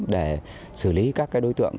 để xử lý các đối tượng